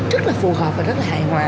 rất là phù hợp và rất là hài hòa